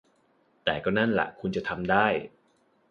แต่ก็นั่นล่ะคุณจะทำได้